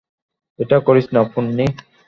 এটা করিস না, পোন্নি।